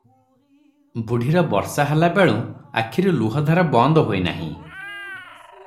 ବୁଢ଼ୀର ବର୍ଷାହେଲା ବେଳୁଁ ଆଖିରୁ ଲୁହଧାର ବନ୍ଦ ହୋଇ ନାହିଁ ।